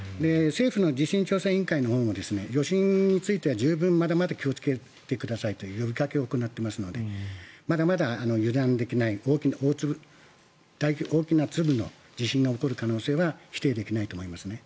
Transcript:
政府の地震調査委員会のほうも余震については十分まだまだ気をつけてくださいという呼びかけを行っていますのでまだまだ油断できない大きな粒の地震が起こる可能性は否定できないと思います。